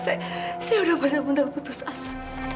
saya udah benar benar putus asa